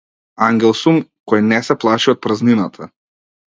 Ангел сум кој не се плаши од празнината.